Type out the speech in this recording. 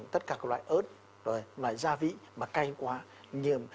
tất cả các loại ớt rồi loại gia vị mà cay quá nhiềm